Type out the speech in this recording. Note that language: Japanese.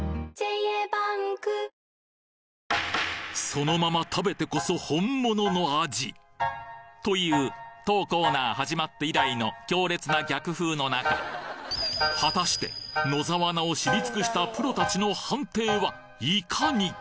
・そのまま食べてこそ本物の味！という当コーナー始まって以来の強烈な逆風の中果たして野沢菜を知り尽くしたプロ達の判定はいかに！？